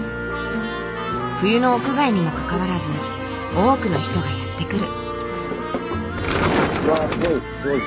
冬の屋外にもかかわらず多くの人がやって来る。